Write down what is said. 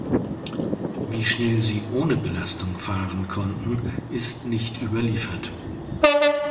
Wie schnell sie ohne Belastung fahren konnten, ist nicht überliefert.